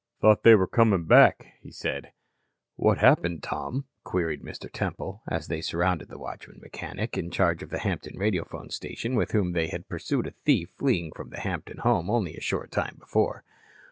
"Thought they were comin' back," he said. "What happened, Tom?" queried Mr. Temple, as they surrounded the watchman mechanic in charge of the Hampton radiophone station with whom they had pursued a thief fleeing from the Hampton home only a short time before.